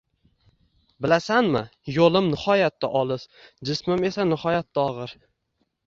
— Bilasanmi... yo‘lim nihoyatda olis, jismim eso nihoyatda og‘ir.